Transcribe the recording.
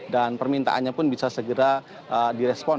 dan permintaannya pun bisa segera di respon